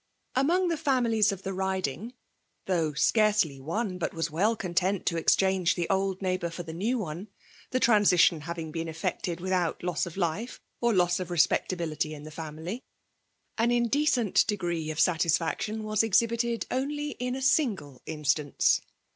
Among the families of the Biding, thongli «6iarcely one but was well content to exchange the old neighbour for the new one, (the tran sition having been effected mthout loss of Kfe Or loss of respectability in the family) an inde cent degree of satisfaction was exhibited onfy in a single instance.